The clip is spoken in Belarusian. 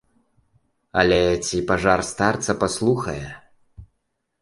Але ці пажар старца паслухае?